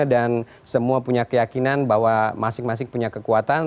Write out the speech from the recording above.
dan semua punya keyakinan bahwa masing masing punya kekuatan